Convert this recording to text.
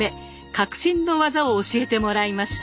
革新の技を教えてもらいました。